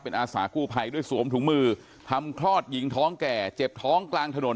อาสากู้ภัยด้วยสวมถุงมือทำคลอดหญิงท้องแก่เจ็บท้องกลางถนน